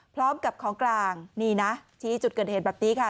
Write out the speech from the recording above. พร้อมกับของกลางนี่นะชี้จุดเกิดเหตุแบบนี้ค่ะ